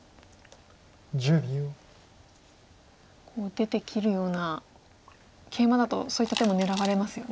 出て切るようなケイマだとそういった手も狙われますよね。